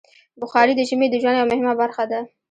بخاري د ژمي د ژوند یوه مهمه برخه ده.